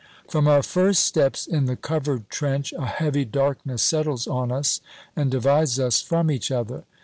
From our first steps in the Covered Trench, a heavy darkness settles on us and divides us from each other.